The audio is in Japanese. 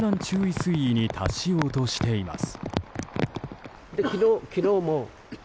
水位に達しようとしています。